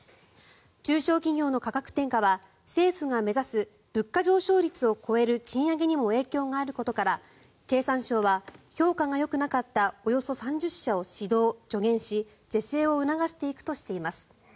中小企業の価格転嫁は政府が目指す物価上昇率を超える賃上げにも影響があることから経産省は評価がよくなかったおよそ３０社を指導・助言し是正を促していくとしています。